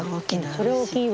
それは大きいわ。